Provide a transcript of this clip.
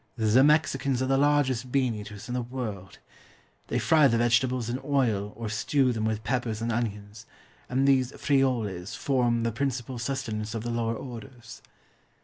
The Mexicans are the largest bean eaters in the world. They fry the vegetables in oil or stew them with peppers and onions, and these frijoles form the principal sustenance of the lower orders.